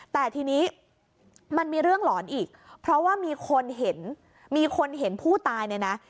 แต่ทีนี้มันมีเรื่องหลอนอีกเพราะว่ามีคนเห็นมีคนเห็นผู้ตายเนี่ยนะ